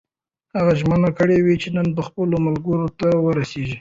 هغه ژمنه کړې وه چې نن به خپلو ملګرو ته ورسېږي.